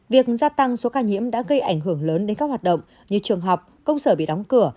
việc gia tăng số ca nhiễm đã gây ảnh hưởng lớn đến các hoạt động như trường học công sở bị đóng cửa